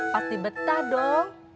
pasti betah dong